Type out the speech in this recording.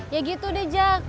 ya gitu deh jack